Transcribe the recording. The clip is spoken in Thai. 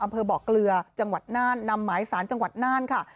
อำเภอบ่อเกลือจังหวัดน่านนำหมายสารจังหวัดน่านค่ะ